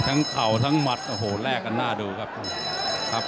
ทั้งเข่าทั้งมัตรแรกกันหน้าดูครับ